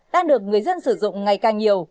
đang được người dân sử dụng ngày càng nhiều